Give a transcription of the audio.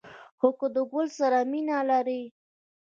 خو که د گل سره مینه لرئ